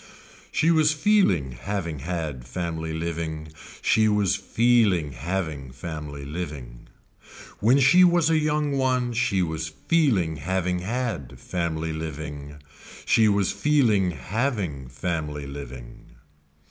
She was feeling having had family living, she was feeling having family living. When she was a young one she was feeling having had family living, she was feeling having family living.